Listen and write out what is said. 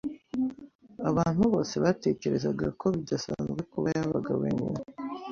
Abantu bose batekerezaga ko bidasanzwe kuba yabaga wenyine.